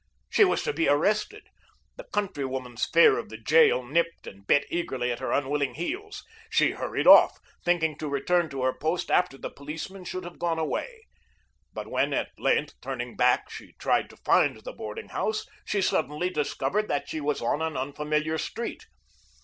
She was to be arrested. The countrywoman's fear of the Jail nipped and bit eagerly at her unwilling heels. She hurried off, thinking to return to her post after the policeman should have gone away. But when, at length, turning back, she tried to find the boarding house, she suddenly discovered that she was on an unfamiliar street.